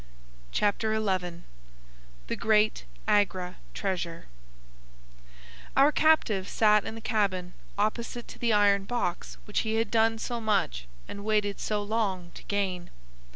Chapter XI The Great Agra Treasure Our captive sat in the cabin opposite to the iron box which he had done so much and waited so long to gain.